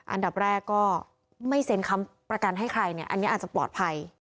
อันดับแรกก็ไม่เซ็นค้ำประกันให้ใครเนี่ยอันนี้อาจจะปลอดภัย